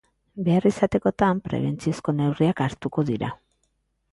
Behar izatekotan, prebentziozko neurriak hartuko dira.